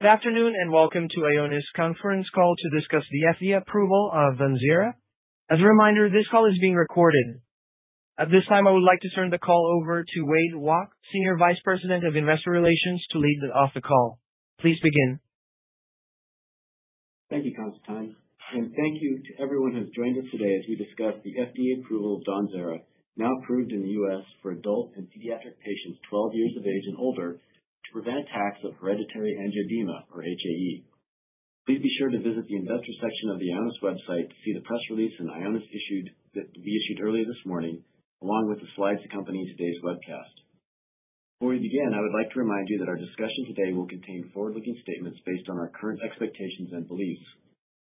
Good afternoon and welcome to Ionis Conference Call to discuss the FDA Approval of DAWNZERA. As a reminder, this call is being recorded at this time. I would like to turn the call over to Wade Walke, Senior Vice President, Investor Relations, to lead off the call. Please begin. Thank you, Council time, and thank you to everyone who has joined us today as we discuss the FDA approval of DAWNZERA, now approved in the U.S. for adult and pediatric patients 12 years of age and over, to prevent attacks of hereditary angioedema or HAE. Please be sure to visit the investor section of the Ionis website to see the press release Ionis issued earlier this morning along with the slides accompanying today's webcast. Before we begin, I would like to remind you that our discussion today will contain forward-looking statements based on our current expectations and beliefs.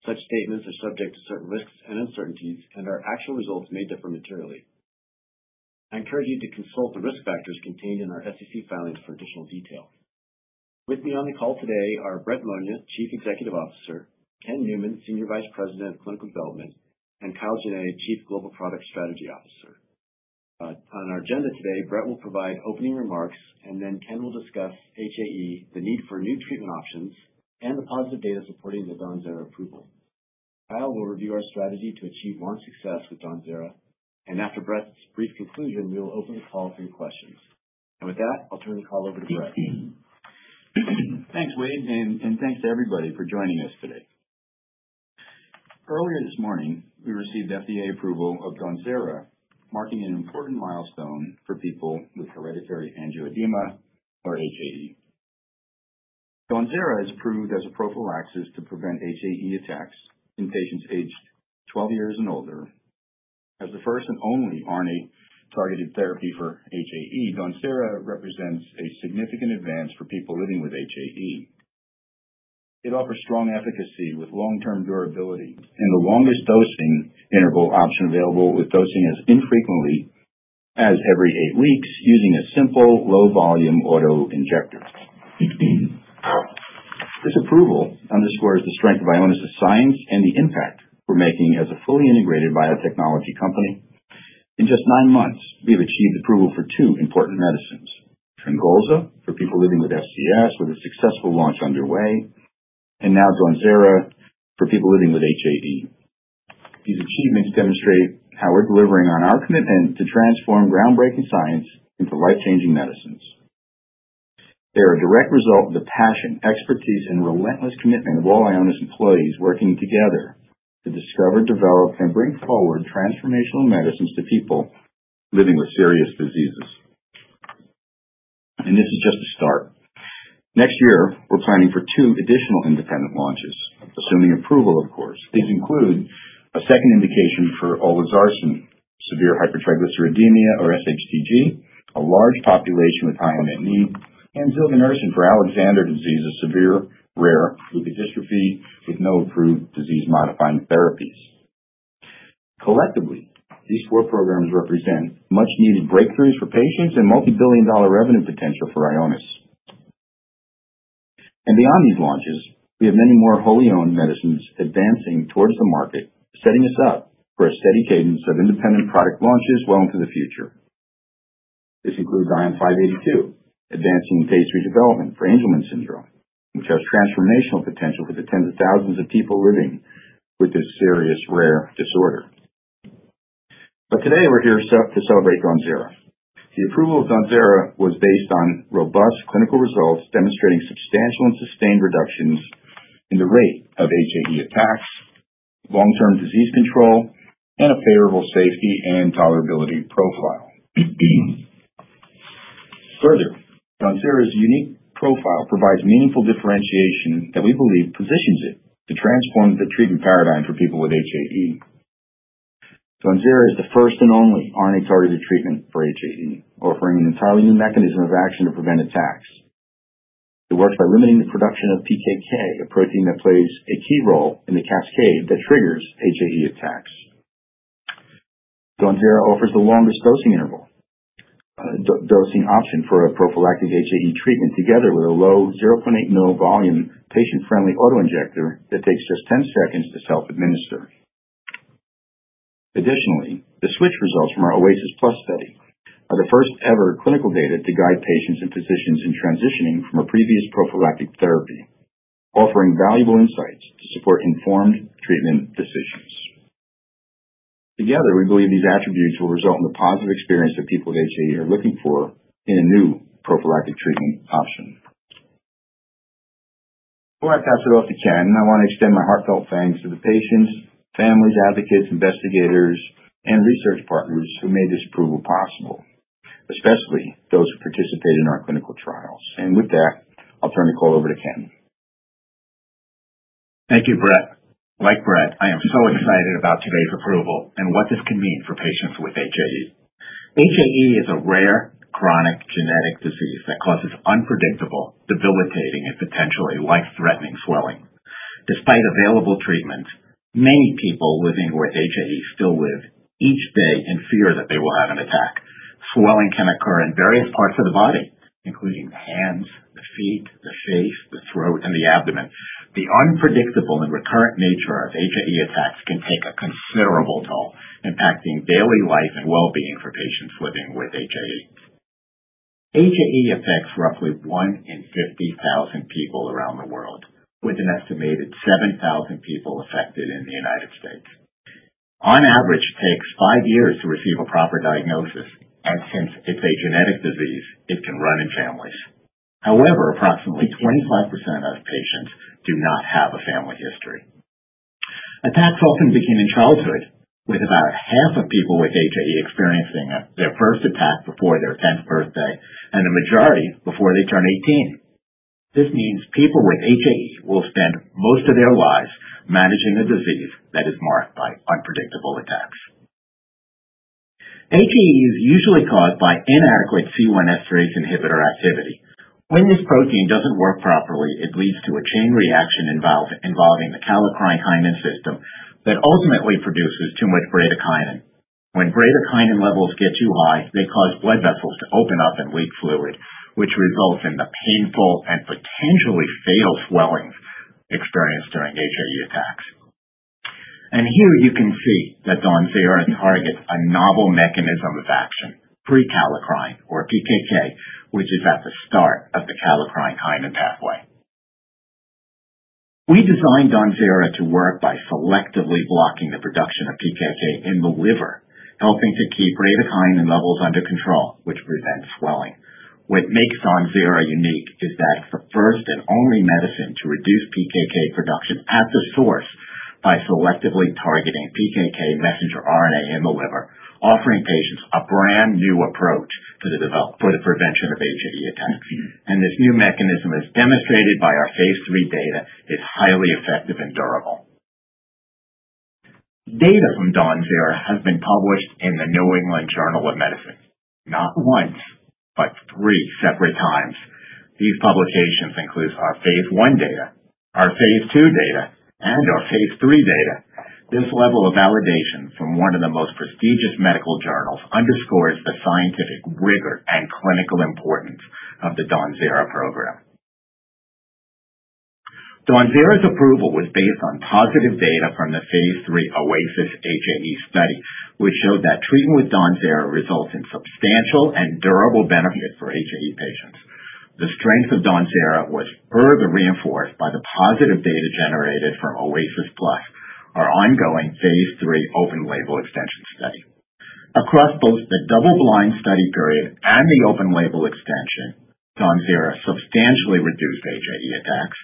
Such statements are subject to certain risks and uncertainties, and our actual results may differ materially. I encourage you to consult the risk factors contained in our SEC filings for additional detail. With me on the call today are Brett Monia, Chief Executive Officer, Kenneth Newman, Senior Vice President, Clinical Development, and Kyle Jenne, Chief Global Product Strategy Officer. On our agenda today, Brett will provide opening remarks, then Ken will discuss HAE, the need for new treatment options, and the positive data supporting the DAWNZERA approval. Kyle will review our strategy to achieve. More success with DAWNZERA and after Brett's. Brief conclusion, we will open the call for your questions. With that, I'll turn the call over to Brett. Thanks, Wade, and thanks to everybody for joining us today. Earlier this morning we received FDA approval of DAWNZERA, marking an important milestone for people with hereditary angioedema or HAE. DAWNZERA is approved as a prophylaxis to prevent HAE attacks in patients aged 12 years and older. As the first and only RNA-targeted therapy for HAE, DAWNZERA represents a significant advance for people living with HAE. It offers strong efficacy with long-term durability and the longest dosing interval option available, with dosing as infrequently as every eight weeks using a simple, low-volume auto-injector. This approval underscores the strength of Ionis science and the impact we're making as a fully integrated biotechnology company. In just nine months, we have achieved. Approval for two important medicines. TRINGOLZA for people living with FCS, with a successful launch underway, and now DAWNZERA for people living with HAE. These achievements demonstrate how we're delivering on our commitment to transform groundbreaking science into life-changing medicines. They are a direct result of the passion, expertise, and relentless commitment of all Ionis employees working together to discover, develop, and bring forward transformational medicines to people living with serious diseases. This is just a start. Next year we're planning for two additional independent launches, pending approval of course. These include a second indication for olezarsen, severe hypertriglyceridemia or SHTG, a large population with high unmet need, and zilganersen for Alexander disease, a severe rare leukodystrophy with no approved disease-modifying therapies. Collectively, these four programs represent much-needed breakthroughs for patients and multibillion dollar revenue potential for Ionis. Beyond these launches we have many more wholly owned medicines advancing towards the. Market, setting it up for a steady. Cadence of independent product launches well into the future. This includes ION582, advancing phase III development for Angelman syndrome, which has transformational potential for the tens of thousands of people living with this serious rare disorder. Today we're here set to celebrate DAWNZERA. The approval of DAWNZERA was based on robust clinical results demonstrating substantial and sustained reductions in the rate of HAE attacks, long-term disease control, and a favorable safety and tolerability profile. Further, DAWNZERA's unique profile provides meaningful differentiation. That we believe positions it to transform. The treatment paradigm for people with HAE. DAWNZERA is the first and only RNA-targeted treatment for HAE, offering an entirely new mechanism of action to prevent attacks. It works by limiting the production of. (PKK), a protein that plays a key role in the cascade that triggers HAE attacks. DAWNZERA offered the longest dosing interval dosing option for a prophylactic HAE treatment together with a low 0.8 mL volume patient-friendly auto-injector that takes just 10 seconds to self-administer. Additionally, the switch results from our OASIS study are the first ever clinical data to guide patients and physicians in transitioning from a previous prophylactic therapy, offering valuable insights to support informed treatment decisions. Together, we believe these attributes will result in the positive experience that people with HAE are looking for in a new prophylactic treatment option. Before I pass it off to Ken, I want to extend my heartfelt thanks to the patients, families, advocates, investigators, and research partners who made this approval possible, especially those who participated in our clinical trials. With that, I'll turn the call over to Ken. Thank you, Brett. Like Brett, I am so excited about today's approval and what this can mean. For patients with HAE. HAE is a rare chronic genetic disease that causes unpredictable, debilitating, and potentially life-threatening swelling. Despite available treatments, many people living with HAE still live each day in fear. That they will have an attack. Swelling can occur in various parts of the body. The body, including hands, feet, face, throat, and the abdomen. The unpredictable and recurrent nature of HAE attacks can take a considerable toll, impacting daily life and well-being for patients living with HAE. HAE affects roughly 1 in 50,000 people around the world, with an estimated 7,000 people affected in the United States. On average, it takes five years to receive a proper diagnosis. Since it's a genetic disease, it can run in families. However, approximately 25% of patients do not have a family history. Attacks often begin in childhood, with about half of people with HAE experiencing their first attack before their 10th birthday and the majority before they turn 18. This means people with HAE will spend most of their lives managing a disease that is marked by unpredictable attacks. HAE is usually caused by inadequate C1 esterase inhibitor activity. When this protein doesn't work properly, it leads to a chain reaction involving the kallikrein-kinin system that ultimately produces too much bradykinin. When bradykinin levels get too high, they cause blood vessels to open up and leak fluid, which results in the painful and potentially fatal swellings experienced during HAE attacks. Here you can see that DAWNZERA targets a novel mechanism of action, prekallikrein or PKK, which is at the start of the kallikrein-kinin pathway. We designed DAWNZERA to work by selectively blocking the production of PKK in the liver, helping to keep bradykinin levels under control which prevents swelling. What makes DAWNZERA unique is that it's. The first and only medicine to reduce. PKK production at the source by selectively targeting PKK messenger RNA in the liver, offering patients a brand new approach for the prevention of HAE attacks, and this new mechanism is demonstrated by our phase III data. It's highly effective and durable. Data from DAWNZERA has been published in the New England Journal of Medicine not once, but three separate times. These publications include our phase I data. Our phase II data and our phase III data. This level of validation from one of the most prestigious medical journals underscores the scientific rigor and clinical importance of the DAWNZERA program. DAWNZERA's approval was based on positive data from the phase III OASIS HAE study, which showed that treatment with DAWNZERA results in substantial and durable benefits for patients. The strength of DAWNZERA was further reinforced. By the positive data generated from OASISplus our ongoing phase III open-label extension study across both the double blind. Study period and the open-label extension DAWNZERA substantially reduced HAE attacks.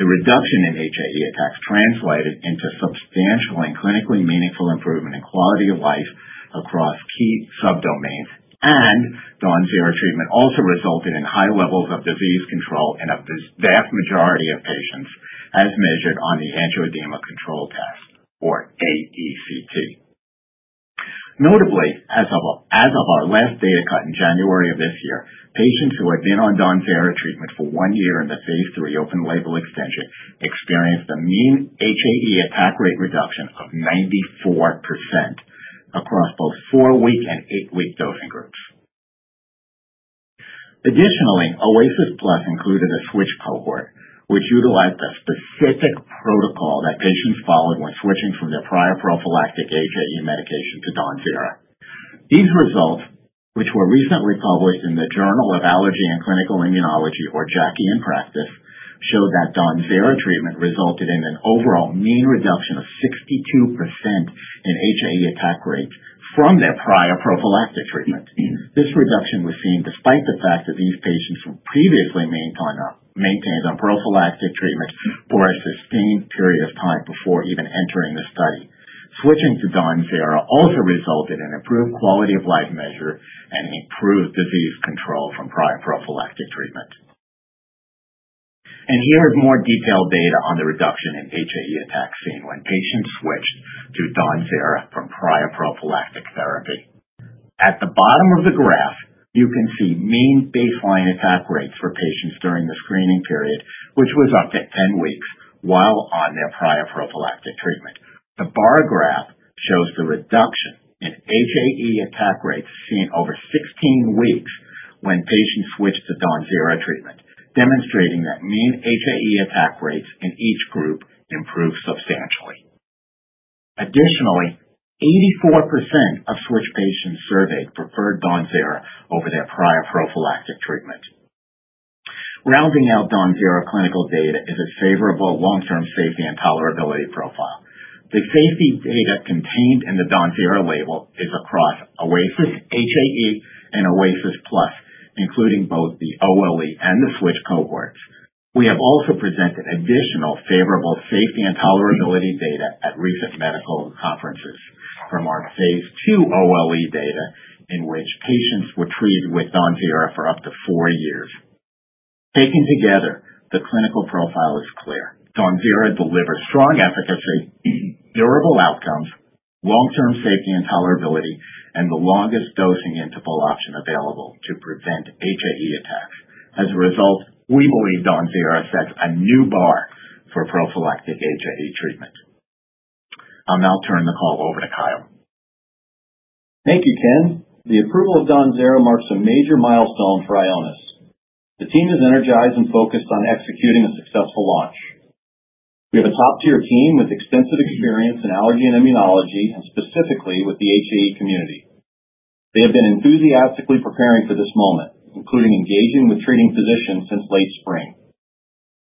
The reduction in HAE attacks translated into substantial and clinically meaningful improvement in quality of life across key subdomains, and DAWNZERA treatment also resulted in high levels of disease control in a vast majority of patients as measured on the Angioedema Control Test, or AECT. Notably, as of our last data cut in January of this year, patients who. Had been on DAWNZERA treatment for one. Year in the phase III open-label extension experienced a mean HAE attack rate reduction of 94% across both 4-week and 8-week dosing groups. Additionally, OASISplus included a switch cohort which utilized a specific protocol that patients followed when switching from their prior prophylactic HAE medication to DAWNZERA. These results, which were recently published in the Journal of Allergy and Clinical Immunology: In Practice, show that DAWNZERA treatment resulted in an overall mean reduction of 62% in HAE attack rate from their prior prophylactic treatment. This reduction was seen despite the fact that these patients were previously maintained on prophylactic. Treatment for a sustained period of time before even entering the study. Switching to DAWNZERA also resulted in improved quality of life measure and improved disease control from prophylactic treatment. Here is more detailed data on the reduction in HAE attacks seen when patients switched to DAWNZERA from prior prophylactic therapy. At the bottom of the graph you can see mean baseline attack rates for. Patients during the screening period, which was. Up to 10 weeks while on their prior prophylactic treatment. The bar graph shows the reduction in HAE attack rates seen over 16 weeks when patients switched to DAWNZERA treatment, demonstrating that mean HAE attack rates in each group improved substantially. Additionally, 84% of switch patients surveyed preferred. DAWNZERA over their prior prophylactic treatment. Rounding out DAWNZERA clinical data is a favorable long-term safety and tolerability profile. The safety data contained in the DAWNZERA label is across OASIS HAE and OASISplus, including both the OLE and the SWITCH cohorts. We have also presented additional favorable safety and tolerability data at recent medical conferences from our phase II OLE data in which patients were treated with DAWNZERA for. Up to four years. Taken together, the clinical profile is clear. DAWNZERA delivered strong efficacy, durable outcomes, long-term safety and tolerability, and the longest dosing interval option available to prevent HAE attacks. As a result, we believe DAWNZERA sets. A new bar for prophylactic HAE treatment. I'll now turn the call over to Kyle. Thank you, Ken. The approval of DAWNZERA marks a major milestone for Ioni. The team is energized and focused on executing a successful launch. We have a top-tier team with extensive experience in allergy and immunology and specifically with the HAE community. They have been enthusiastically preparing for this moment, including engaging with treating physicians since late spring.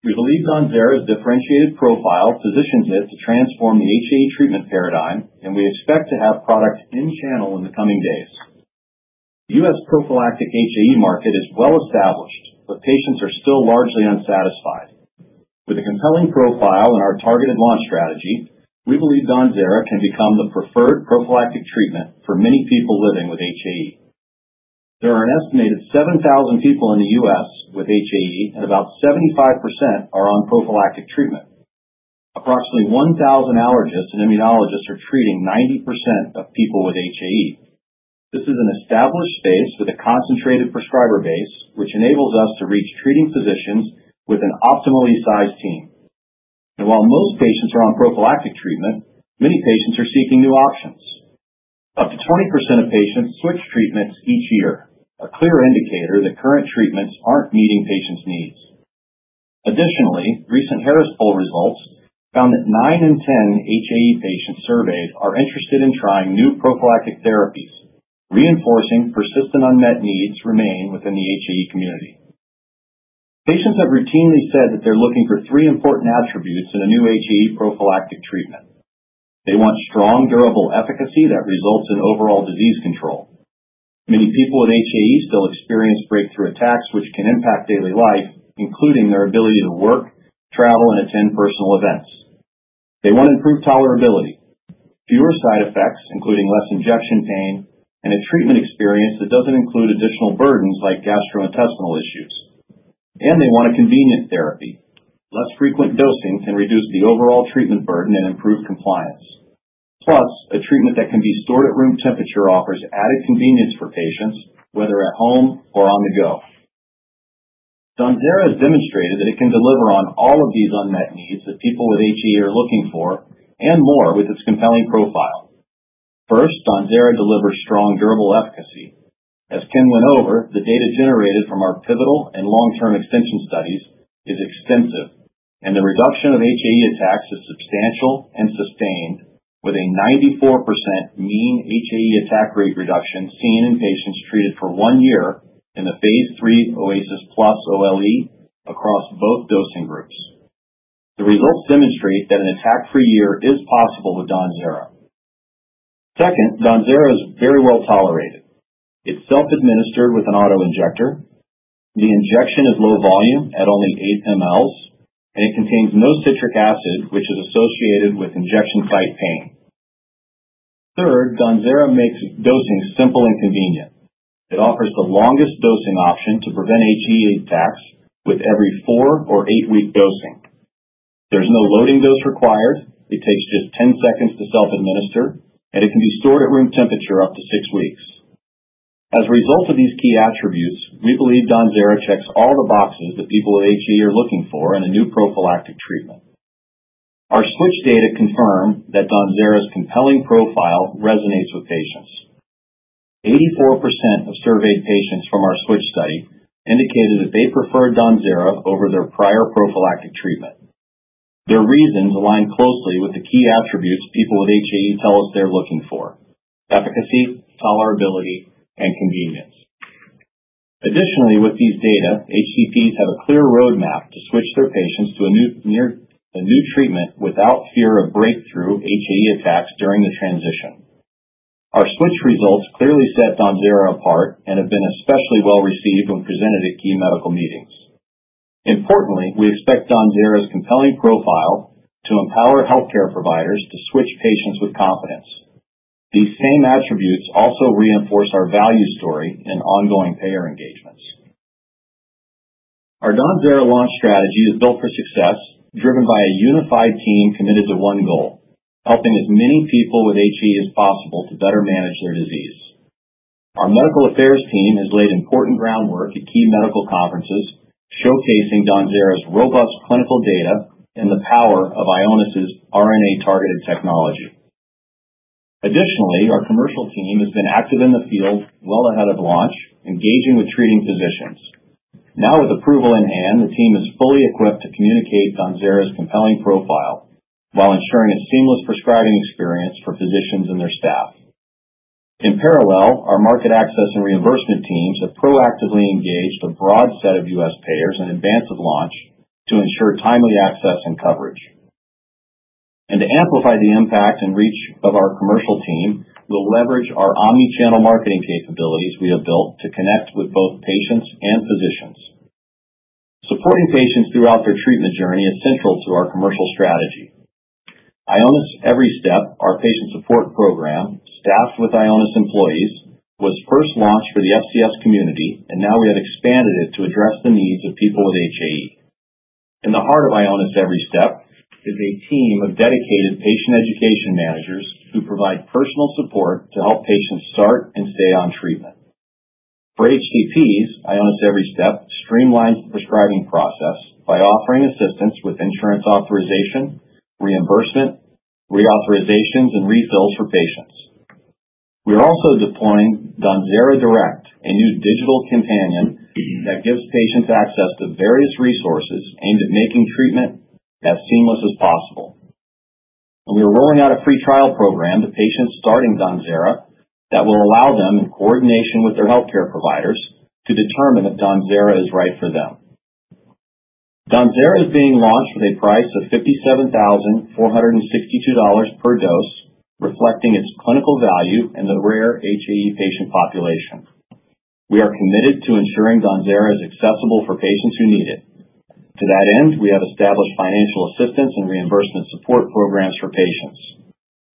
We believe DAWNZERA's differentiated profile positions it to transform the HAE treatment paradigm, and we expect to have products in channel in the coming days. The U.S. prophylactic HAE market is well established, but patients are still largely unsatisfied. With the compelling profile and our targeted launch strategy, we believe DAWNZERA can become the preferred prophylactic treatment for many people living with HAE. There are an estimated 7,000 people in the U.S. with HAE, and about 75% are on prophylactic treatment. Approximately 1,000 allergists and immunologists are treating 90% of people with HAE. This is an established space with a concentrated prescriber base, which enables us to reach treating physicians with an optimally sized team. While most patients are on prophylactic treatment, many patients are seeking new options. Up to 20% of patients switch treatments each year, a clear indicator that current treatments aren't meeting patients' needs. Additionally, recent Harris poll results found that nine in 10 HAE patients surveyed are interested in trying new prophylactic therapies, reinforcing persistent unmet needs remain within the HAE community. Patients have routinely said that they're looking for three important attributes in a new HAE prophylactic treatment. They want strong, durable efficacy that results in overall disease control. Many people with HAE still experience breakthrough attacks, which can impact daily life, including their ability to work, travel, and attend personal events. They want improved tolerability, fewer side effects, including less injection pain, and a treatment experience that doesn't include additional burdens like gastrointestinal issues. They want a convenient therapy. Less frequent dosing can reduce the overall treatment burden and improve compliance. Plus, a treatment that can be stored at room temperature offers added convenience for patients, whether at home or on the go. DAWNZERA has demonstrated that it can deliver on all of these unmet needs that people with HAE are looking for and more with its compelling profile. First, DAWNZERA delivers strong, durable efficacy. As Ken went over, the data generated from our pivotal and long-term extension studies is extensive, and the reduction of HAE attacks is substantial and sustained, with a 94% mean HAE attack rate reduction seen in patients treated for one year in the phase III OASIS HAE study plus OLE across both dosing groups. The reverse symmetry, that is, HAE-free year, is possible with DAWNZERA. Second, DAWNZERA is very well tolerated. It's self-administered with an auto-injector. The injection is low volume at only 0.8 mL and it contains no citric acid, which is associated with injection site pain. Third, DAWNZERA makes dosing simple and convenient. It offers the longest dosing option to prevent HAE attacks. With every four or eight weeks dosing, there's no loading dose required, it takes just 10 seconds to self-administer, and it can be stored at room temperature up to six weeks. As a result of these key attributes, we believe DAWNZERA checks all the boxes that people with HAE are looking for in a new prophylactic treatment. Our SWITCH data confirm that DAWNZERA's compelling profile resonates with patients. 84% of surveyed patients from our SWITCH study indicated that they preferred DAWNZERA over their prior prophylactic treatment. Their reasons aligned closely with the key attributes people with HAE tell us they're looking for: efficacy, tolerability, and convenience. Additionally, with these data, HCPs have a clear roadmap to switch their patients to a new treatment without fear of breakthrough HAE attacks during the transition. Our split treatments clearly set DAWNZERA apart and have been especially well received when presented at key medical meetings. Importantly, we expect DAWNZERAs compelling profile to empower healthcare providers to switch patients with confidence. These same attributes also reinforce our value story in ongoing payer engagements. Our DAWNZERA launch strategy is built for success, driven by a unified team committed to one goal, helping as many people with HAE as possible to better manage their disease. Our Medical Affairs team has laid important groundwork at key medical conferences showcasing DAWNZERA's robust clinical data and the power of Ionis RNA-targeted technology. Additionally, our commercial team has been active in the field well ahead of launch, engaging with treating physicians. Now, with approval in hand, the team is fully equipped to communicate DAWNZERA's compelling profile while ensuring a seamless prescribing experience for physicians and their staff. In parallel, our market access and reimbursement teams have proactively engaged a broad set of U.S. payers in advance of launch to ensure timely access and coverage, and to amplify the impact and reach of our commercial team, we'll leverage our omnichannel marketing capabilities we have built to connect with both patients and physicians. Supporting patients throughout their treatment journey is central to our commercial strategy. Ionis Every Step, our patient support program staffed with Ionis employees, was first launched for the FCS community and now we have expanded it to address the needs of people with HAE. Ionis Every Step is a team of dedicated patient education managers who provide personal support to help patients start and stay on treatment for HAE. Ionis Every Step streamlines the prescribing process by offering assistance with insurance authorization, reimbursement reauthorizations, and refills for patients. We are also deploying DAWNZERA Direct, a new digital companion that gives patients access to various resources aimed at making treatment as seamless as possible. We are rolling out a pre-trial program to patients starting DAWNZERA that will allow them, in coordination with their healthcare providers, to determine if DAWNZERA is right for them. DAWNZERA is being launched with a price of $57,462 per dose, reflecting its clinical value in the rare HAE patient population. We are committed to ensuring DAWNZERA is accessible for patients who need it. To that end, we have established financial assistance and reimbursement support programs for patients.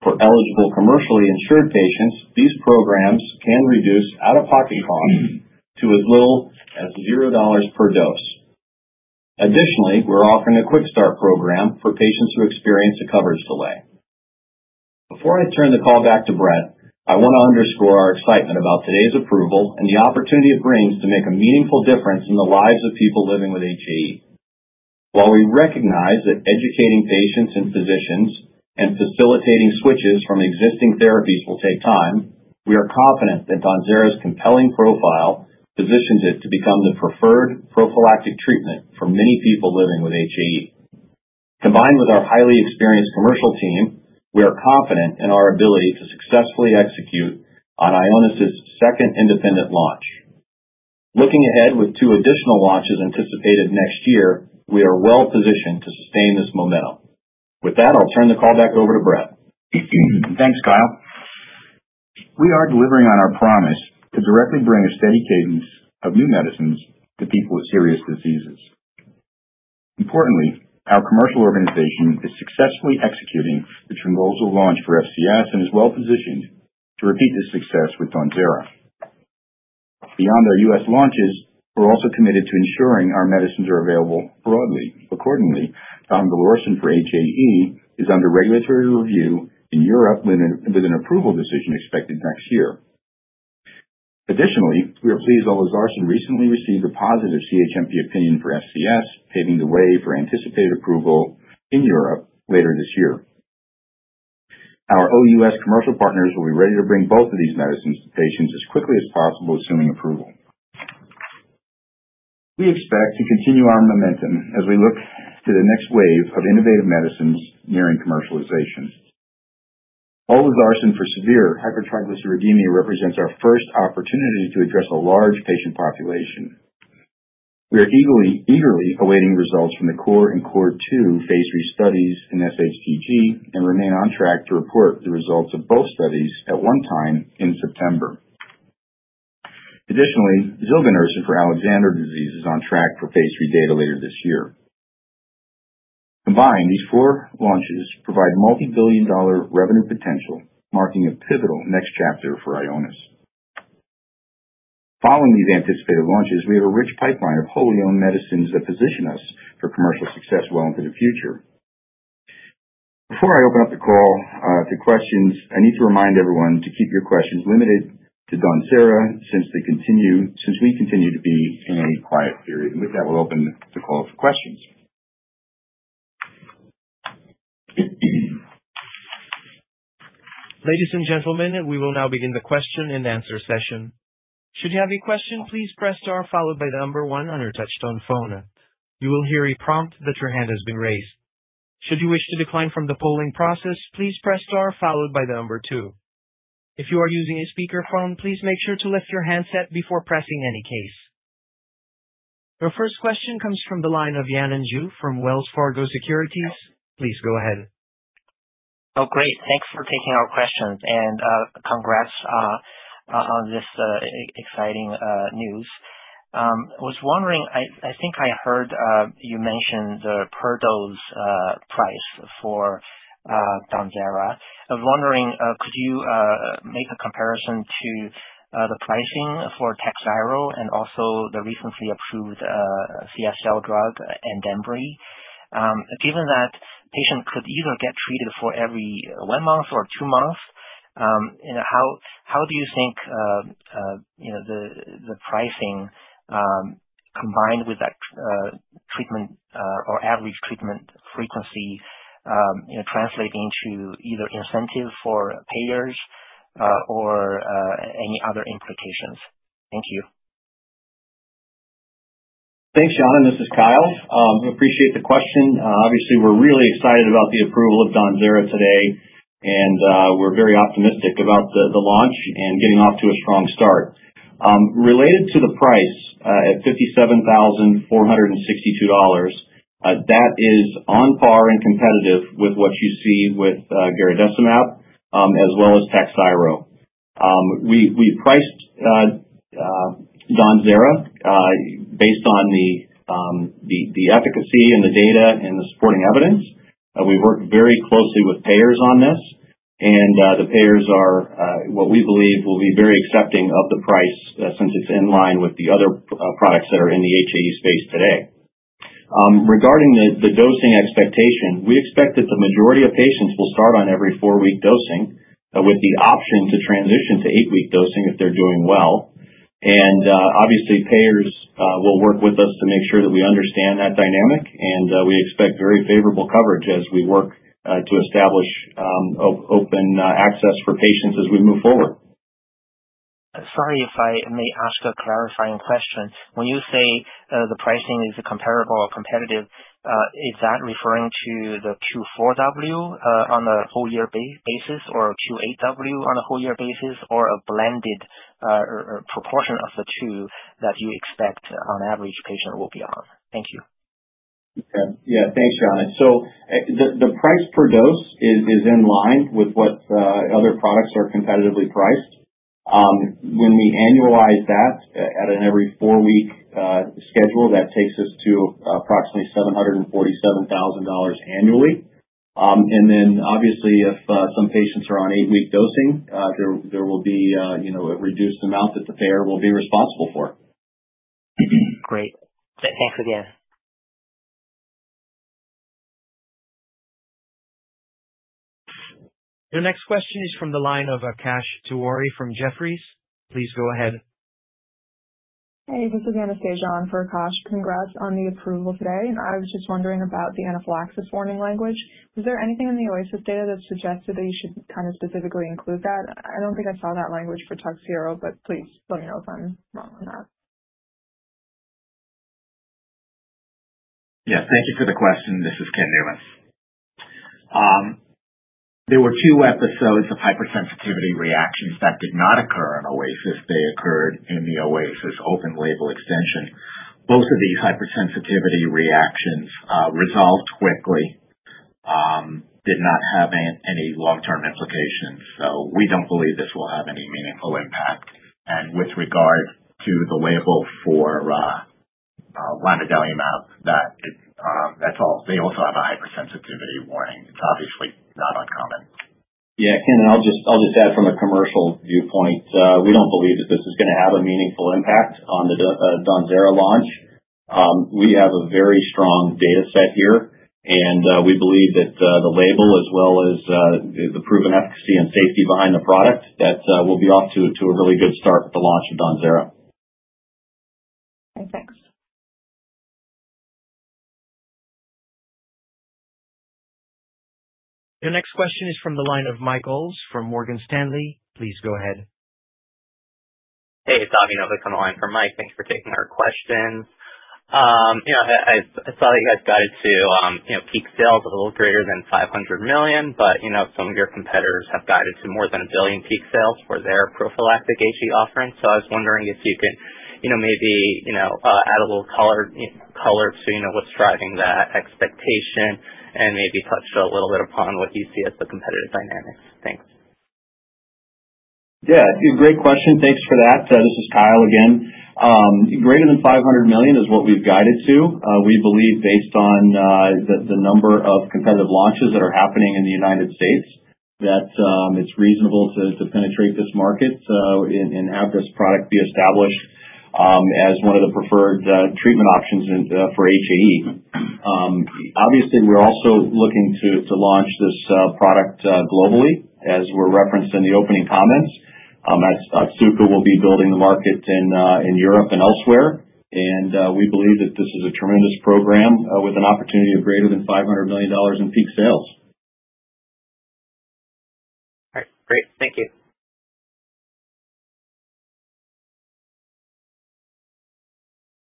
For eligible commercially insured patients, these programs can reduce out-of-pocket costs to as little as $0 per dose. Additionally, we're offering a quick start program for patients who experience a coverage delay. Before I turn the call back to Brett, I want to underscore our excitement about today's approval and the opportunity it brings to make a meaningful difference in the lives of people living with HAE. While we recognize that educating patients and physicians and facilitating switches from existing therapies will take time, we are confident that DAWNZERA's compelling profile positions it to become the preferred prophylactic treatment for many people living with HAE. Combined with our highly experienced commercial team, we are confident in our ability to successfully execute on Ionis' second independent launch. Looking ahead, with two additional launches anticipated next year, we are well positioned to sustain this momentum. With that, I'll turn the call back over to Brett. Thanks, Kyle. We are delivering on our promise to directly bring a steady cadence of new medicines to people with serious diseases. Importantly, our commercial organization is successfully executing the Trimbosal launch for FCS and is well positioned to repeat this success with DAWNZERA. Beyond our U.S. launches, we're also committed to ensuring our medicines are available broadly. Accordingly, donidalorsen for HAE is under regulatory review in Europe with an approval decision expected next year. Additionally, we are pleased Olezarsen recently received a positive CHMP opinion for FCS, paving the way for anticipated approval in Europe. Later this year, our OUS commercial partners. will be ready to bring both of these medicines to patients as quickly as possible following approval. We expect to continue our momentum as we look to the next wave of innovative medicines nearing commercialization. Olezarsen for severe hypertriglyceridemia represents our first opportunity to address a large patient population. We are eagerly awaiting results from the CORE and CORE 2 phase III studies in FHTG and remain on track to report the results of both studies at one time in September. Additionally, zilganersen for Alexander disease is on track for phase III data later this year. Combined, these four launches provide multi-billion dollar revenue potential, marking a pivotal next chapter for Ionis. Following these anticipated launches, we have a rich pipeline of wholly owned medicines that position us for commercial success well into the future. Before I open up the call to questions, I need to remind everyone to keep your questions limited to DAWNZERA since we continue to be in a quiet series, and with that, we'll open the call for questions. Ladies and gentlemen, we will now begin the question and answer session. Should you have a question, please press Star followed by the number one. On your touch-tone phone, you will hear a prompt that your hand has been raised. Should you wish to decline from the polling process, please press Star followed by the number two. If you are using a speakerphone, please make sure to lift your handset before pressing. In any case, the first question comes from the line of Yanan Zhu from Wells Fargo Securities. Please go ahead. Oh great. Thanks for taking our questions and congrats on this exciting news. I was wondering, I think I heard you mention the per dose price for DAWNZERA, I was wondering, could you make a comparison to the pricing for Takhzyro and also the recently approved CSL Behring drug and HAEGARDA? Given that patients could either get treated for every one month or two months, how do you think the pricing combined with that treatment or average treatment frequency translates to either incentive for payers or any other implications? Thank you. Thanks Yan, this is Kyle. We appreciate the question. Obviously we're really excited about the approval of DAWNZERA today and we're very optimistic about the launch and getting off to a strong start. Related to the price at $57,462, that is on par and competitive with what you see with HAEGARDA as well as Takhzyro. We priced DAWNZERA based on the efficacy and the data and the supporting evidence. We work very closely with payers on this and the payers are what we believe will be very accepting of the price since it's in line with the other products that are in the HAE space today. Regarding the dosing expectation, we expect that the majority of patients will start on every four week dosing with the option to transition to eight week dosing if they're doing well. Payers will work with us to make sure that we understand that dynamic and we expect very favorable coverage as we work to establish open access for patients as we move forward. Sorry, if I may ask a clarifying question. When you say the pricing is comparable or competitive, is that referring to the Q4W on a whole year basis or Q8W on a whole year basis, or a blended proportion of the two that you expect on average patient will be on? Thank you. Yeah, thanks Yan. The price per dose is in line with what other products are competitively priced. When we annualize that at an every four week schedule, that takes us to approximately $747,000 annually. Obviously, if some patients are on eight week dosing, there will be a reduced amount that the payer will be responsible for. Great, thanks again. Your next question is from the line of Akash Tewari from Jefferies. Please go ahead. Hey, this is Anastasia on for Akash. Congrats on the approval today. I was just wondering about the anaphylaxis warning language. Is there anything in the OASIS data that suggested that you should kind of specifically include that? I don't think I saw that language for DAWNZERA, but please let me know if I'm wrong with that. Yes, thank you for the question. This is Ken Newman. There were two episodes of hypersensitivity reactions that did not occur on OASIS. They occurred in the OASIS open-label extension. Both of these hypersensitivity reactions resolved quickly and did not have any long-term implications. We don't believe this will have any meaningful impact. With regard to the label for lanadelumab, they also have a hypersensitivity warning. It's obviously not uncommon. Ken, I'll just add from a commercial viewpoint we don't believe that this is going to have a meaningful impact on the DAWNZERA launch. We have a very strong data set here and we believe that the label as well as the proven efficacy and safety behind the product mean that we will be off to a really good start with the launch of DAWNZERA. Thanks. The next question is from the line of Michael from Morgan Stanley. Please go ahead. Hey, it's Avi Novick on the line from Mike. Thanks for taking our questions. I saw you guys guided to peak sales a little greater than $500 million. Some of your competitors have guided to more than $1 billion peak sales for their prophylactic HAE offering. I was wondering if you can. Maybe add a little color to what's driving that expectation and maybe touch a little bit upon what you see as the competitive dynamics. Thanks. Yeah, great question, thanks for that. This is Kyle again. Greater than $500 million is what we've guided to. We believe based on the number of competitive launches that are happening in the U.S. that it's reasonable to penetrate this market and have this product be established as one of the preferred treatment options for HAE. Obviously we're also looking to launch this product globally as were referenced in the opening comments. Supra will be building the market in Europe and elsewhere, and we believe that this is a tremendous program with an opportunity of greater than $500 million in peak sales. Great, thank you.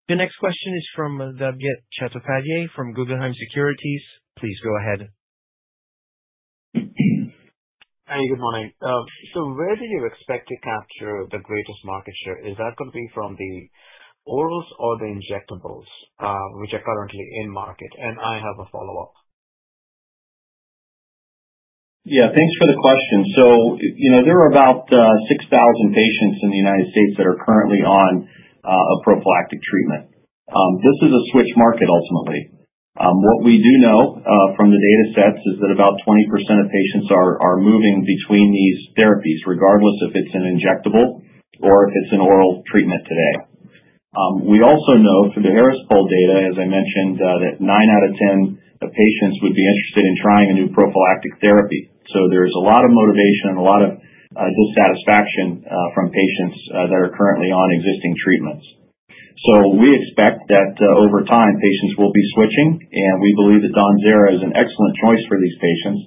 The next question is from Debjit Chattopadhyay from Guggenheim Securities. Please go ahead and good morning. Where do you expect to capture the greatest market share? Is that going to be from the Orals or the injectables which are currently in market? I have a follow up. Yeah, thanks for the question. You know there are about 6,000 patients in the United States that are currently on a prophylactic treatment. This is a switch market. Ultimately, what we do know from the data sets is that about 20% of patients are moving between these therapies regardless if it's an injectable or if it's an oral treatment. Today, we also know from the Harris Poll data, as I mentioned, that 9 out of 10 patients would be interested in trying a new prophylactic therapy. There's a lot of motivation and a lot of dissatisfaction from patients that are currently on existing treatments. We expect that over time patients will be switching, and we believe that DAWNZERA is an excellent choice for these patients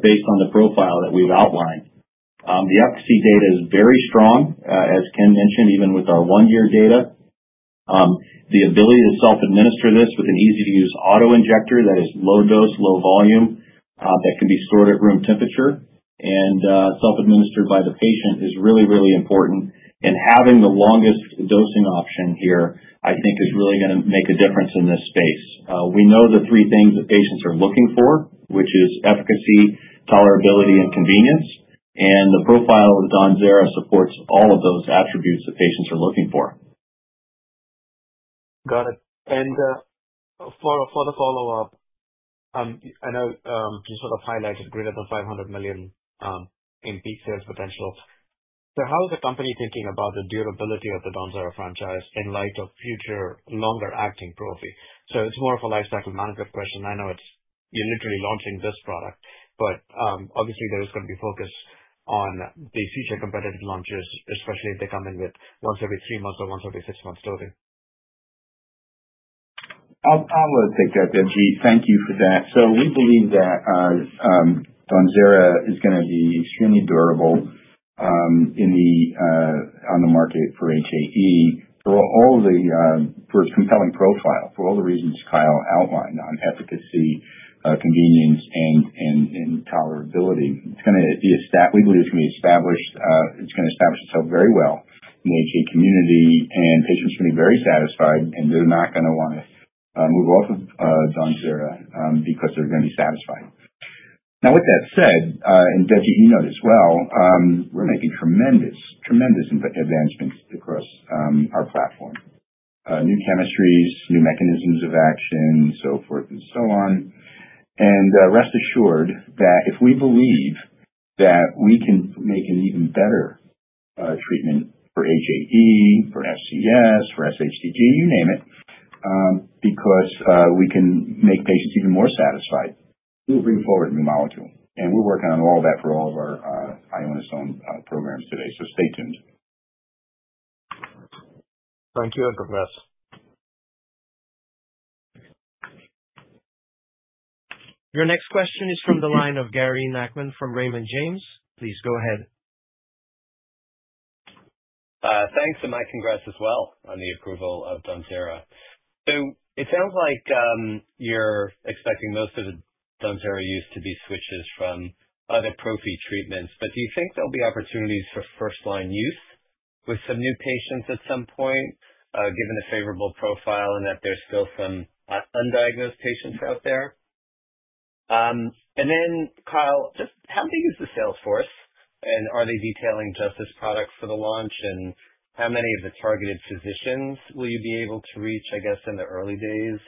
based on the profile that we've outlined. The U.S. data is very strong, as Ken mentioned, even with the one year data. The ability to self-administer this with an easy-to-use auto-injector that is low dose, low volume, that can be stored at room temperature and self-administered by the patient is really, really important. Having the longest dosing option here I think is really going to make a difference in this space. We know the three things that patients are looking for, which is efficacy, tolerability, and convenience. The profile with DAWNZERA supports all of those attributes that patients are looking for. Got it. For the follow up, I know you sort of highlighted greater than $500 million in peak sales potential. How is the company thinking about the durability of the DAWNZERA franchise in light of future longer acting prophylactic treatment? It's more of a lifecycle management question. I know it's uniquely launching this product, but obviously there is going to be focus on the future competitive launches, especially if they come in with once every three months or once every six month story. I'll take that, Debjit. Thank you for that. We believe that DAWNZERA is going to be extremely durable on the market for HAE, for a compelling profile for all the reasons Kyle outlined on efficacy, convenience, and tolerability. It's going to establish itself very well, with the community and patients feeling very satisfied, and they're not going to want to move off of DAWNZERA because they're going to be satisfied. With that said, as you know as well, we're making tremendous advancements across our platform—new chemistries, new mechanisms of action, so forth and so on. Rest assured that if we believe that we can make an even better. Treatment for HAE, for SCs, for SHDD.You name it, because we can make patients even more satisfied. We bring forward new molecules, and we're working on all that for all of our Ionis programs today. Stay tuned. Thank you and congratulations. Your next question is from the line of Gary Nachman from Raymond James. Please go ahead. Thanks. My congrats as well on the approval of DAWNZERA. It sounds like you're expecting most of the DAWNZERA use to be switches from other prophy treatments, but do you think there'll be opportunities for first line use with some new patients at some point given the favorable profile and that there's still some undiagnosed patients out there? Kyle, just how big is. The salesforce, and are they detailing just this product for the launch? How many of the targeted physicians will you be able to reach, I guess in the early days?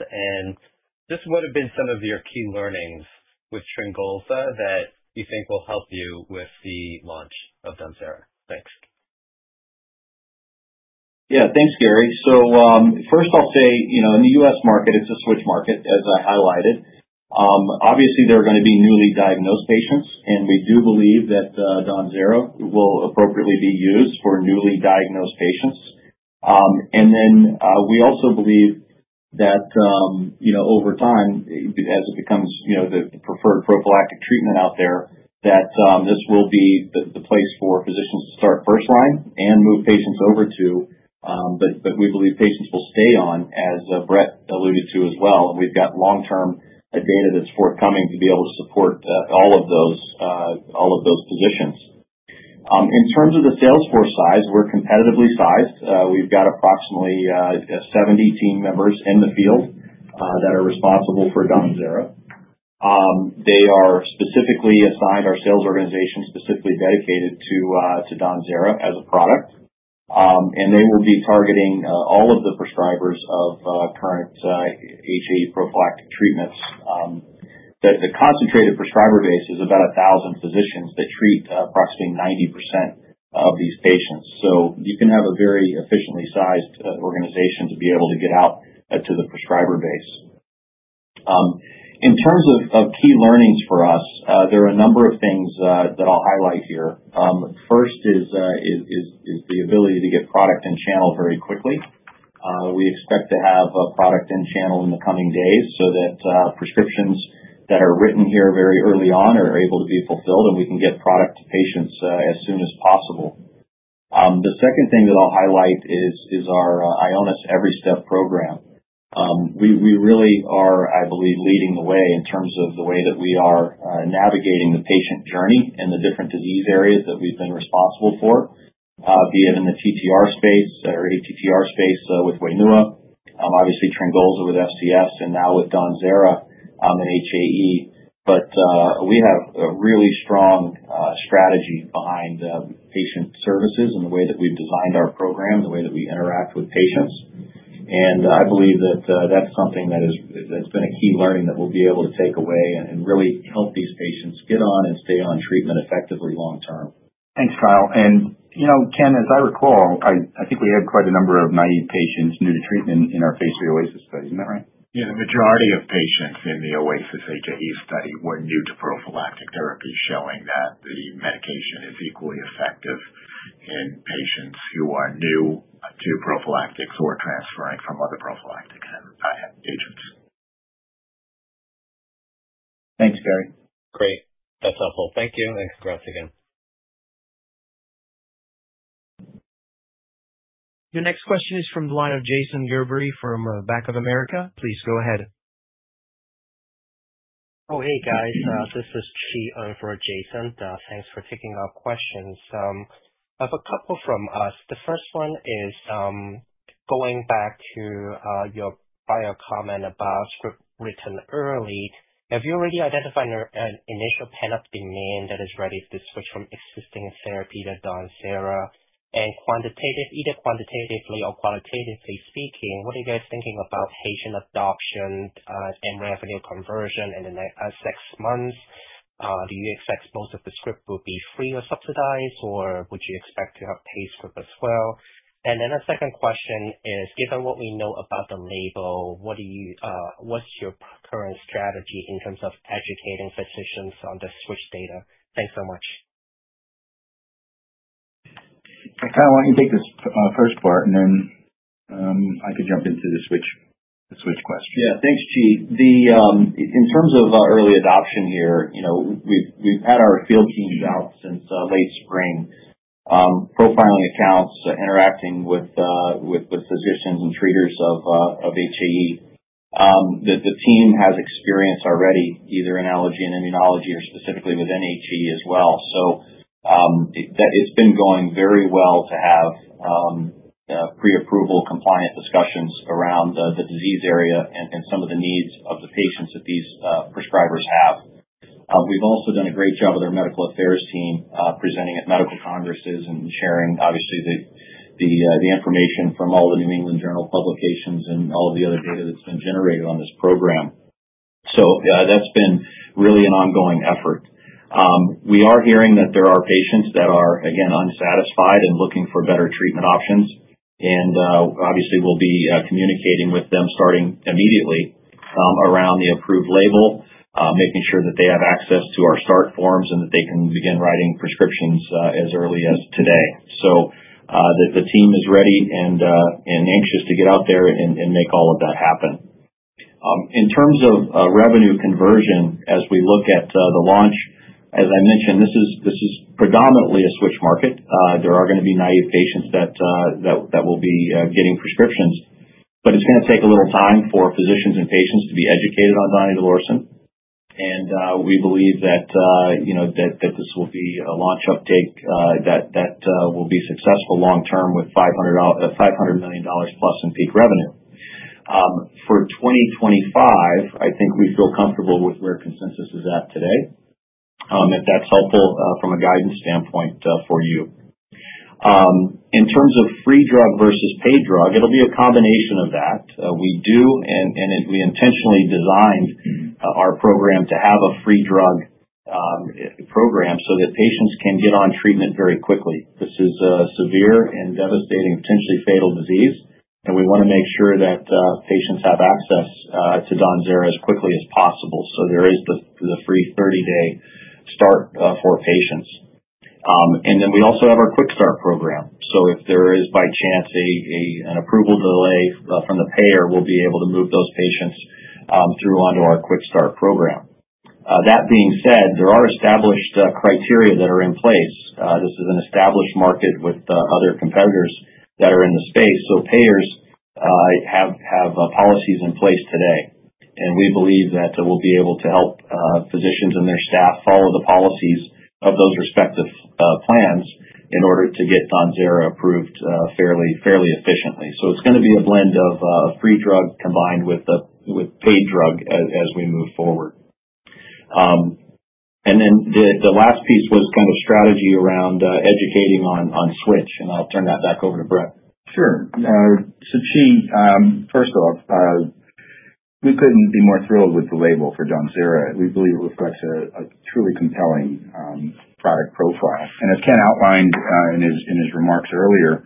What have been some of your key learnings with TRYNGOLZA that you think will help you with the launch of DAWNZERA? Thanks. Yeah, thanks Gary. First, I'll say, you know, in the U.S. market it's a switch market as I highlighted. Obviously, there are going to be newly diagnosed patients and we do believe that DAWNZERA will appropriately be used for newly diagnosed patients. We also believe that, you know, over time, as it becomes, you know, the preferred prophylactic treatment out there, that this will be the place for physicians to start first line and move patients over to, but we believe patients will stay on as Brett alluded to as well. We've got long-term advantages forthcoming to be able to support all of those, all of those positions. In terms of the salesforce size, we're competitively sized. We've got approximately 70 team members in the field that are responsible for DAWNZERA. They are specifically assigned, our sales organization specifically dedicated to DAWNZERA as a product, and they will be targeting all of the prescribers of current HAE prophylactic treatments. The concentrated prescriber base is about 1,000 physicians that treat approximately 90% of these patients, so you can have a very efficiently sized organization to be able to get out to the prescriber base. In terms of key learnings for us, there are a number of things that I'll highlight here. First is the ability to get product in channel very quickly. We expect to have product in channel in the coming days so that prescriptions that are written here very early on are able to be fulfilled and we can get product to patients as soon as possible. The second thing that I'll highlight is our Ionis Every Step program. We really are, I believe, leading the way in terms of the way that we are navigating the patient journey and the different disease areas that we've been responsible for, be it in the TTR space, TTR space with WAINUA, obviosly TRYNGOLZI with SPS, and now with DAWNZERA and HAE. We have a really strong strategy behind patient services and the way that we've designed our program, the way that we interact with patients, and I believe that that's something that's been a key learning that we'll be able to take away and really help these patients get on and stay on treatment effectively long term. Thanks, Kyle. Ken, as I recall, I think we had quite a number of naive patients new to treatment in our phase III OASIS HAE study, isn't that right? Yeah, the majority of patients in the OASIS. HAE study were new to prophylactic therapy. Showing that the medication is equally effective. In patients who are new to prophylactic treatment or transferring from other prophylactic agents. Thanks, Gary Great, that's helpful. Thank you and congrats again. Your next question is from the line of Jason Gerbery from Bank of America. Please go ahead. Oh, hey guys. First, Chi, on for Jason. Thanks for taking our questions. I have a couple from us. The first one is going back to your bio comment about script written early. Have you already identified an initial pent-up demand that is ready to switch from existing therapy to DAWNZERA, and quantitatively or qualitatively speaking, what are you guys thinking about patient adoption and revenue conversion? In the next six months, do you expect most of the scripts will be free or subsidized, or would you expect to have paid scripts as well? The second question is, given what we know about the label, what's your current strategy in terms of educating physicians on the switch data? Thanks so much. Kyle, why don't you take this on the first part, and then I could jump in. Into the switch question. Yeah, thanks Chi. In terms of early adoption here, we've had our field teams out since late spring, personally accounts interacting with physicians and treaters of HAE that the team has experience already either in allergy and immunology or specifically within HAE as well. It's been going very well to have preapproval compliant discussions around the disease area and some of the needs of the patients that these prescribers have. We've also done a great job with our medical affairs team presenting at medical congresses and sharing obviously the information from all the New England Journal publications and all the other data that's been generated on this program. That's been really an ongoing effort. We are hearing that there are patients that are again unsatisfied and looking for better treatment options. Obviously we'll be communicating with them starting immediately around the approved label, making sure that they have access to our stat forms and that they can begin writing prescriptions as early as today so that the team is ready and anxious to get out there and make all of that happen in terms of revenue conversion. As we look at the launch, as I mentioned, this is predominantly a switch market. There are going to be naive patients that will be getting prescriptions, but it's going to take a little time for physicians and patients to be educated on donidalorsen and we believe that, you know, that this will be a launch uptake that will be successful long term with $500 million plus in peak revenue for 2025. I think we feel comfortable with where consensus is at today. If that's helpful from a guidance standpoint for you in terms of free drug versus paid drug. It'll be a combination of that. We do and we intentionally designed our program to have a free drug program so that patients can get on treatment very quickly. This is a severe and devastating potentially fatal disease and we want to make sure that patients have access to DAWNZERA as quickly as possible. There is the free 30 day start for patients and then we also. Have our Quick Start program. If there is by chance an approval delay from the payer, we'll be able to move those patients through onto our Quick Start program. That being said, there are established criteria that are in place. This is an established market with other competitors that are in the space. Payers have policies in place today and we believe that we'll be able to help physicians and their staff follow the policies of those respective plans in order to get DAWNZERA approved fairly efficiently. It's going to be a blend of free drug combined with paid drug as we move forward. The last piece was some of the strategy around educating on switch and I'll turn that back over to Brett. Sure. First off, we couldn't be more thrilled with the label for DAWNZERA. We believe it reflects a truly compelling product profile, and as Ken outlined in his remarks earlier,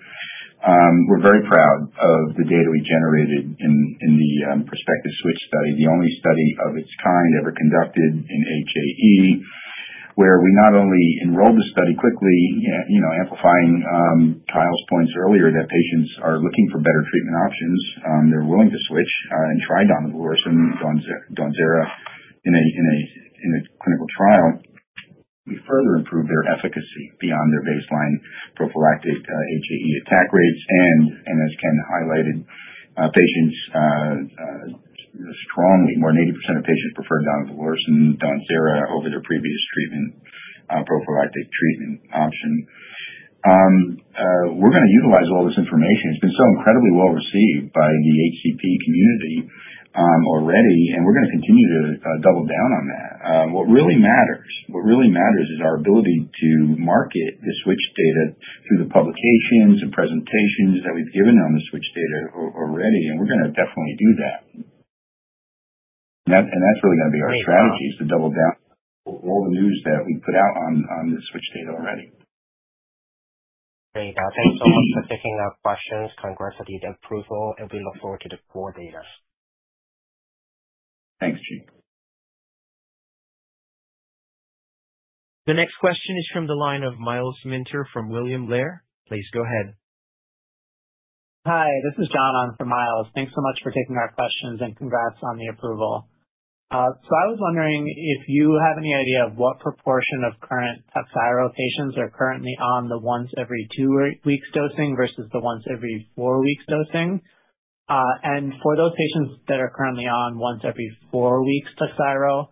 we're very proud of the data we generated in the prospective switch study, the only study of its kind ever conducted in hereditary angioedema where we not only enrolled the study quickly, amplifying Kyle's points earlier that patients are looking for better treatment options, they're willing to switch and try DAWNZERA in a clinical trial. We further improved their efficacy beyond their baseline prophylactic hereditary angioedema attack rates. As Ken highlighted, more than 80% of patients preferred DAWNZERA over their previous prophylactic treatment option. We're going to utilize all this information. It's been so incredibly well received by the HCP community already, and we're going to continue to double down n that. What really matters. What really matters is our ability to market the switch data through the publications and presentations that we've given on the switch data already. We're going to definitely do that, and that's really going to be our strategy, to double down on all the news that we put out on the switch data already. Great. Thanks so much for taking our questions. Congratulations on approval and we look forward to the full data. Thanks Chi. The next question is from the line of Miles Minter from William Blair. Please go ahead. Hi, this is John on from Miles. Thanks so much for taking our questions and congrats on the approval. I was wondering if you have any idea of what proportion of current Takhzyro patients are currently on the once every two weeks dosing versus the once every four weeks dosing, and for those patients that are currently on once every four weeks Takhzyro,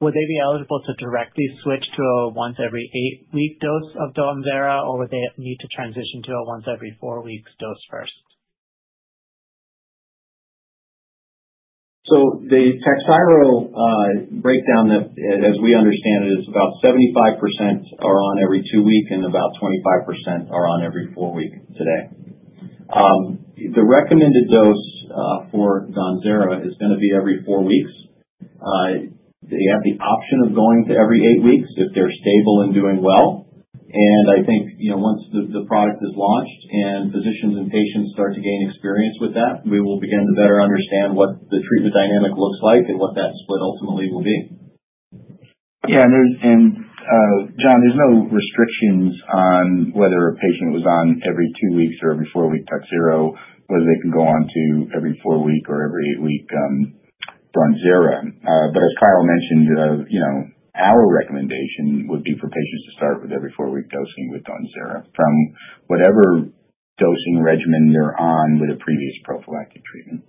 would they be eligible to directly switch to a once every eight week dose of DAWNZERA, or would they need to transition to a once every four weeks dose first? The Takhzyro breakdown as we understand it is about 75% are on every two week and about 25% are on every four week. Today, the recommended dose for DAWNZERA is going to be every four weeks. They have the option of going to every eight weeks if they're stable and doing well. I think, you know, once the product is launched and physicians and patients start to gain experience with that, we will begin to better understand what the treatment dynamic looks like and what that split ultimately will be. Yeah, and John, there's no restrictions on whether a patient was on every two weeks or every four week Takhzyro, whether they can go on to every four week or every eight week DAWNZERA. As Kyle mentioned, our recommendation would be for patients to start with every four week dosing with DAWNZERA from whatever dosing regimen you're on with a previous prophylactic treatment.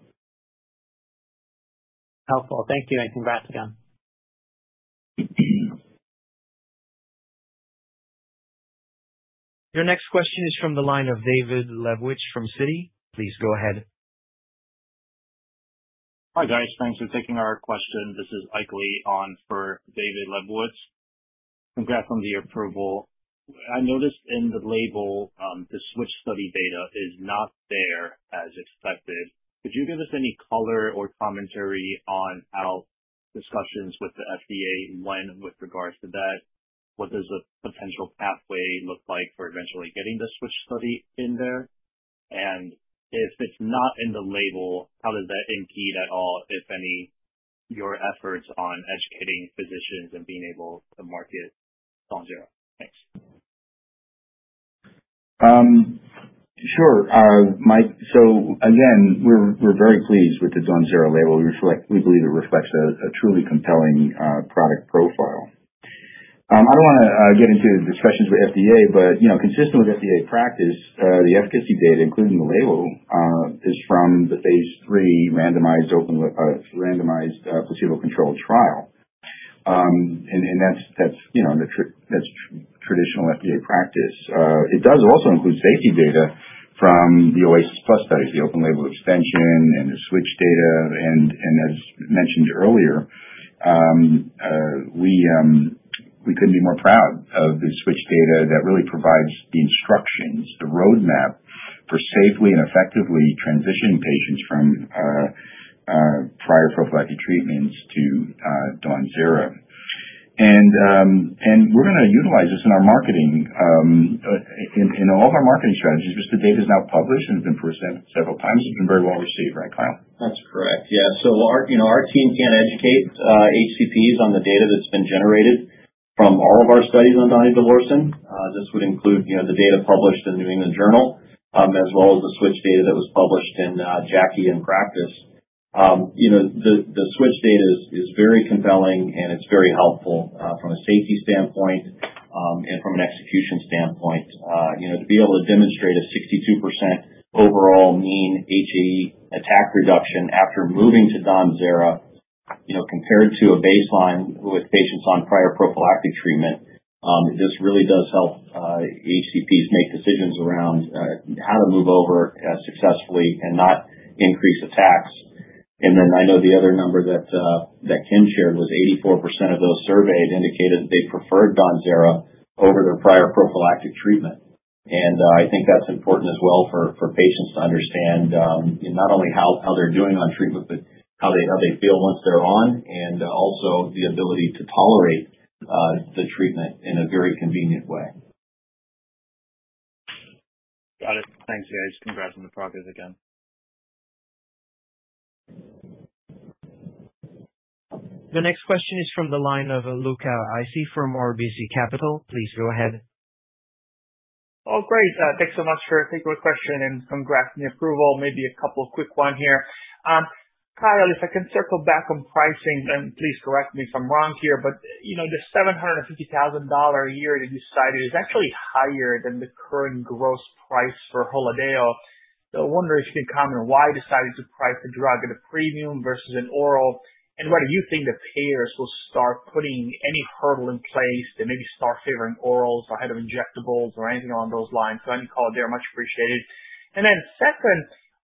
Helpful. Thank you and congrats again. Your next question is from the line of David Lebowitz from Citi. Please go ahead. Hi guys. Thanks for taking our question. This is Ikly one for David Lebowitz. Congrats on the approval. I noticed in the label the switch study data is not there as expected. Could you give us any color or commentary on our discussions with the FDA with regards to that, what does the potential pathway look like for eventually. Getting the switch study in there? If it's not in the label, how does that impede at all, if any, your efforts on educating physicians and being able to market? Sure, Mike. Again, we're very pleased with the DAWNZERA label. We believe it reflects a truly compelling product profile. I don't want to get into discussions with the FDA, but, you know, consistent with FDA practice, the efficacy data, including the label, is from the phase III randomized, placebo-controlled trial. That's traditional FDA practice. It does also include safety data from the OASIS studies, the open-label extension, and the switch data. As mentioned earlier, we couldn't be more proud of the switch data that really provides the instructions, the roadmap for safely and effectively transitioning patients from prior prophylactic treatments to DAWNZERA. We're going to utilize this in our marketing, in all of our marketing strategies because the data is now published and has been presented several times. You've been very well received, right, client? That's correct. Our team can educate HCPs on the data that's been generated from all. Of our studies on DAWNZERA would include the data published in New England Journal as well as the switch data that was published in JACI In Practice. The switch data is very compelling, and it's very helpful from a safety standpoint and from an execution standpoint to be able to demonstrate a 62% overall mean HAE attack reduction after moving to DAWNZERA, you know, compared to a baseline with patients on prior prophylactic treatment. This really does help HCPs make decisions around how to move over successfully and not increase attacks. I know the other number that Kim shared was 84% of those surveyed indicated that they preferred DAWNZERA over the prior prophylactic treatment. I think that's important as well for patients to understand not only how they're doing on treatment, but how they feel once they're on and also the ability to tolerate the treatment in a very convenient way. Got it. Thanks, guys. Congrats on the progress again. The next question is from the line of Luca Issi from RBC Capital. Please go ahead. Great. Thanks so much for taking my question and congrats on the approval. Maybe a couple quick ones here, Kyle, if I can circle back on pricing and please correct me if I'm wrong here, but you know the $750,000 a year that you decided is actually higher than the current gross price for HAEGARDA. I wonder if you can comment why you decided to price the drug at a premium versus an oral and whether you think the payers will start putting any hurdle in place to maybe start favoring orals or hetero injectables or anything along those lines. Much appreciated. Second,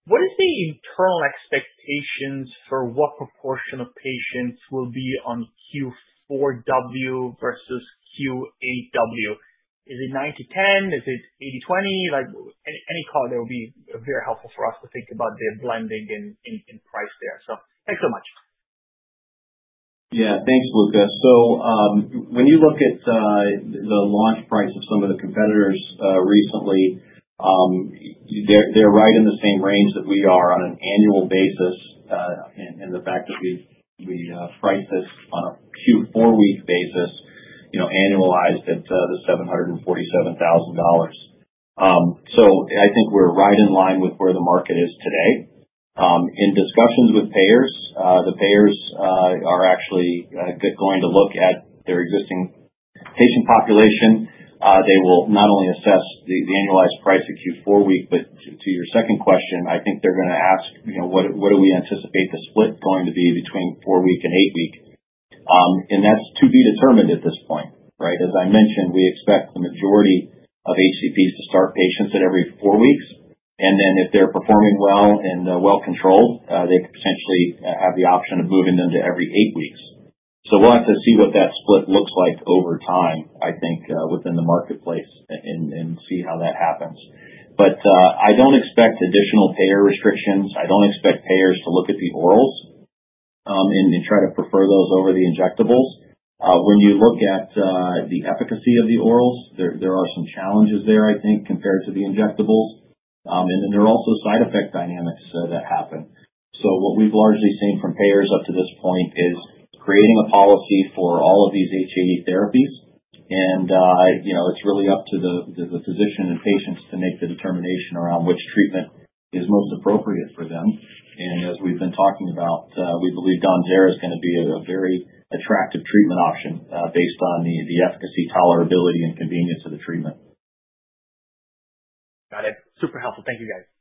what is the internal expectation for what proportion of patients will be on Q4W versus Q8W? Is it 90/10? Is it 80/20? Any call there will be very helpful. Helpful for us to think about the. Blending in price there. Thank you so much. Yeah, thanks Luca. When you look at the launch price of some of the competitors recently, they're right in the same range that we are on an annual basis. The fact that we price this on a Q4 week basis annualized at $747,000, I think we're right in line with where the market is today in discussions with payers. The payers are actually going to look at their existing patient population. They will not only assess the annualized price at Q4 week, but to your second question, I think they're going to ask, you know, what do we anticipate the split going to be between four week and eight week. That's to be determined at this point. As I mentioned, we expect the majority of HCPs to start patients at every four weeks, and then if they're performing well and well controlled, they could potentially have the option of moving them to every eight weeks. We'll have to see what that split looks like over time, I think within the marketplace and see how that happens. I don't expect additional payer restrictions. I don't expect payers to look at the orals and try to prefer those over the injectables. When you look at the efficacy of the oral, there are some challenges there, I think, compared to the injectable. There are also side effect dynamics that happen. What we've largely seen from payers up to this point is creating a policy for all of these HAE therapies. It's really up to the physician and patients to make the determination around which treatment is most appropriate for them. As we've been talking about, we believe DAWNZERA is going to be a very attractive treatment option based on the efficacy, tolerability, and convenience of the treatment. Got it. Super helpful. Thank you guys.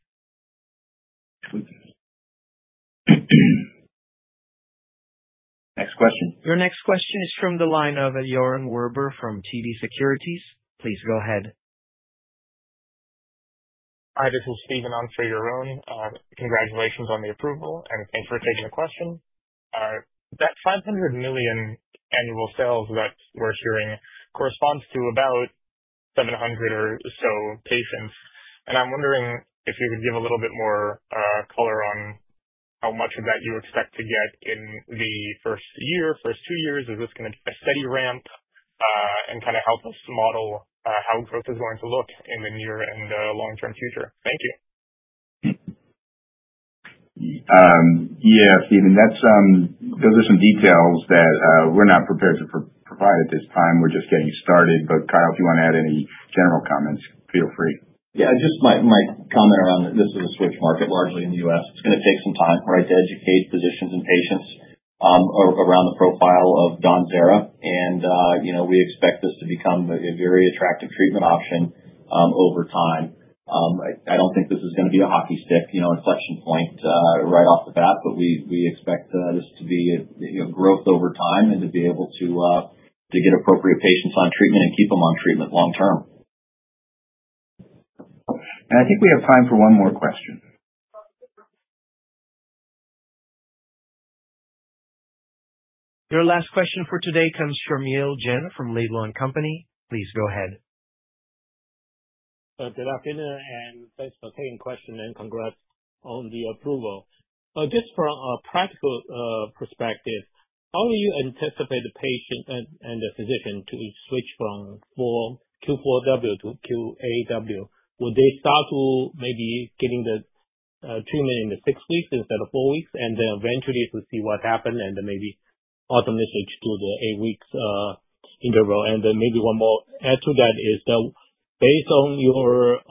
Next question. Your next question is from the line of Yoron Werber from TD Securities. Please go ahead. Hi, this is Stephen. Congratulations on the approval and thanks for taking a question. That $500 million annual sales that we're hearing corresponds to about 700 or so patients. I'm wondering if you could give a little bit more color on how much of that you expect to get in the first year, first two years. Is this going to be a steady ramp and kind of help us model how growth is going to look in the near and long term future. Thank you. Yeah, Stephen, those are some details that we're not prepared to provide at this time. We're just getting started. Kyle, if you want to add any general comments, feel free. Yeah, just my comment on this is a switch market largely in the U.S. It's going to take some time to educate physicians and patients around the profile of DAWNZERA. You know, we expect this to become a very attractive treatment option over time. I don't think this is going to be a hockey stick, you know, inflection point right off the bat. We expect this to be growth over time and to be able to get appropriate patients on treatment and keep them on treatment long term. I think we have time for one more question. Your last question for today comes from Yale Jen from Laidlaw & Company, please go ahead. Good afternoon and thanks for taking the question and congrats on the approval. Just from a practical perspective, how do you anticipate the patient and the physician to switch from Q4W to Q8W? Would they start to maybe getting the two minutes in the six weeks instead of four weeks and then eventually to see what happened and maybe automatically to the eight weeks interval and then maybe one more add to that. Is that based on your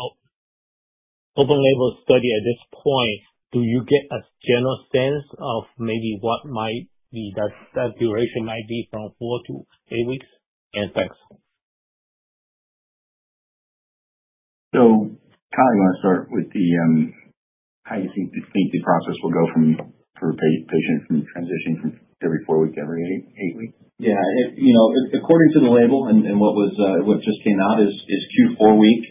open-label study at this point? Do you get a general sense of maybe what might be that duration might be from four to eight weeks. And thanks. Kyle, you want to start with how you think the CNC process will go for patients transitioning from every four weeks to every week? Yeah. You know, according to the label and what just came out is Q4 week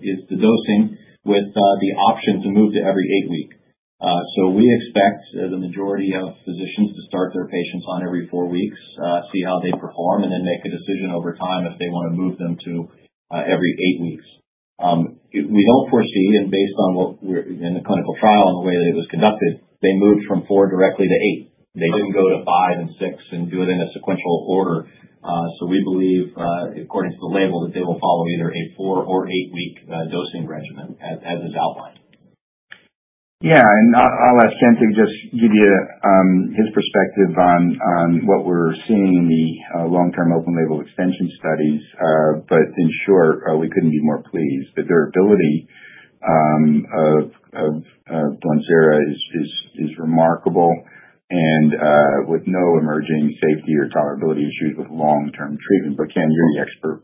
is the dosing with the option to move to every eight weeks. We expect the majority of physicians to start their patients on every four weeks, see how they perform, and then make a decision over time if they want to move them to every eight weeks. We won't foresee, and based on what in the clinical trial and the way it was conducted, they moved from four directly to eight. They didn't go to five and six and do it in a sequential order. We believe according to the label that they will follow either a four or eight week dosing regimen as is outlined. Yeah. I'll just give you his perspective on what we're seeing in the long term open-label extension studies. In short, we couldn't be more pleased. The durability of Donsera is remarkable, with no emerging safety or tolerability issues with long term treatment. Ken, you're the expert.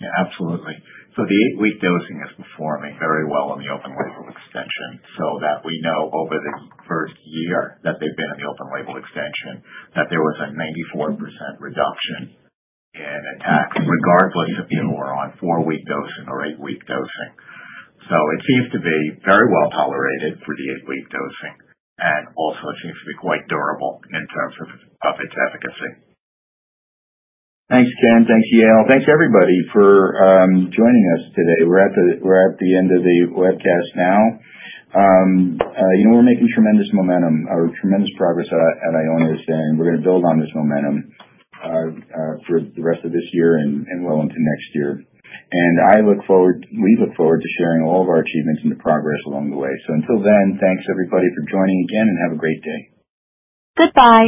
Absolutely. The eight week dosing is performing. Very well on the open-label extension, so that we know over the first. Year that they've been in the open-label extension, there was a 94% reduction in attack regardless of if you were on four-week dosing or eight-week dosing. It seems to be very well. Tolerated for the eight-week dosing, and also it seems to be quite durable. In terms of its efficacy. Thanks Ken. Thanks Kyle. Thanks everybody for joining us today. We're at the end of the webcast now. You know we're making tremendous momentum, tremendous progress at Ionis, saying we're going to build on this momentum for the rest of this year and well into next year. I look forward, we look forward to sharing all of our achievements and the progress along the way. Until then, thanks everybody for joining again and have a great day. Goodbye.